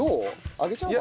あげちゃおうか。